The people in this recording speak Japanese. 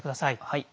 はい。